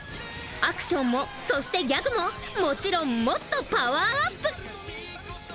アクションもそしてギャグももちろんもっとパワーアップ！